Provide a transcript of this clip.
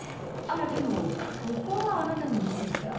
あらでもここはあなたの店じゃ？